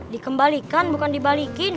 dikembalikan bukan dibalikin